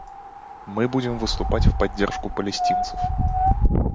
Мы будем выступать в поддержку палестинцев.